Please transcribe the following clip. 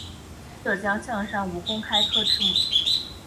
浙江象山县吴公开科之墓